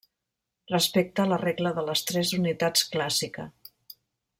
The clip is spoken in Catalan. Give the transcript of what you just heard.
Respecta la regla de les tres unitats clàssica.